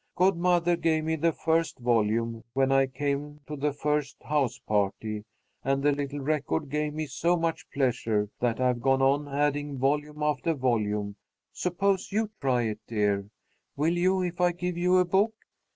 Godmother gave me the first volume when I came to the first house party, and the little record gave me so much pleasure that I've gone on adding volume after volume. Suppose you try it, dear. Will you, if I give you a book?"